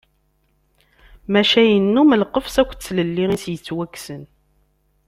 Maca yennum lqefs akked tlelli i as-yettwakksen.